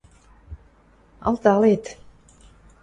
– Алталет..